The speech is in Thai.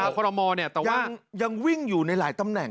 คอรมอลแต่ว่ายังวิ่งอยู่ในหลายตำแหน่ง